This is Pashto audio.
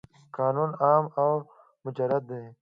قانون عام او مجرد دی.